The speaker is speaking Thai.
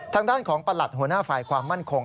ทางด้านของประหลัดหัวหน้าฝ่ายความมั่นคง